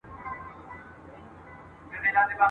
او له «پت پلورونکو» څخه يې هم کار اخستی